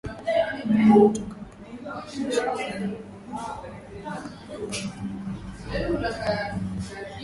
Mnyama kutoka povu kinywani hali inapokuwa mbaya sana ni dalili ya ugonjwa wa majimoyo